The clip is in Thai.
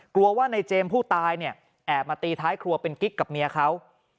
กลัวว่าในเจมส์ผู้ตายเนี่ยแอบมาตีท้ายครัวเป็นกิ๊กกับเมียเขา